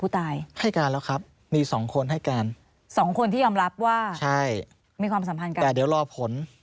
แต่เดี๋ยวรอผล